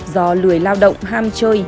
do lười lao động ham chơi